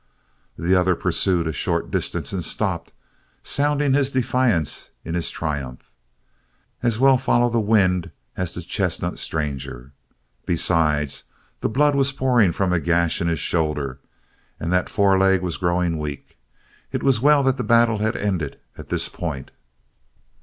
The other pursued a short distance and stopped, sounding his defiance and his triumph. As well follow the wind as the chestnut stranger. Besides, the blood was pouring from the gash in his shoulder and that foreleg was growing weak; it was well that the battle had ended at this point.